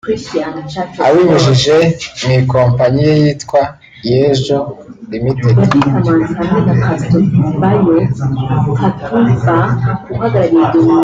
Abinyujije mu ikompanyi ye yitwa ‘Yeejo Limited’